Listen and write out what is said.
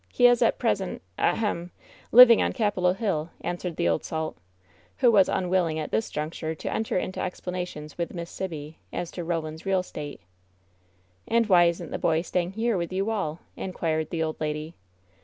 He is at present — ahem 1 — ^living on Capitol Hill," answered the old salt, who was unwilling at this juncture to enter into explanations with Miss Sibby as to Eoland's real state. "And why isn't the boy staying here with you all ?" inquired the old lady.